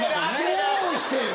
どうしてよ。